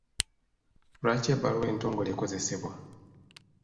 Lwaki ebbaluwa entongole ekozesebwa?